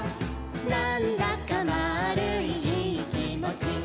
「なんだかまぁるいいいきもち」